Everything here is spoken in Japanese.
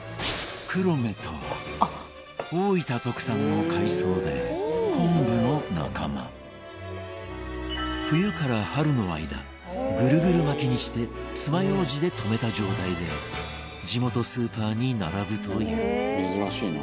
クロメとは大分特産の海藻で、昆布の仲間冬から春の間ぐるぐる巻きにしてつまようじで留めた状態で地元スーパーに並ぶというバカリズム：珍しいな。